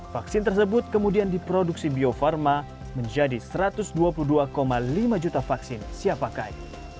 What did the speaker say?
vaksin tersebut kemudian diproduksi bio farma menjadi satu ratus dua puluh dua lima juta vaksin siap pakai